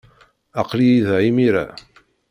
Aql-iyi da imir-a.